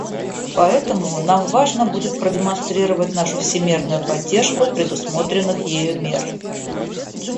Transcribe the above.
Поэтому нам важно будет продемонстрировать нашу всемерную поддержку предусмотренных ею мер.